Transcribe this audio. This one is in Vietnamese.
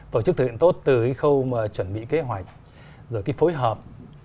tổ chức thực hiện tốt từ khâu chuẩn bị kế hoạch rồi phối hợp